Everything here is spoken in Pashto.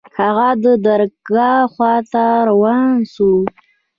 هغه د درګاه خوا ته روان سو.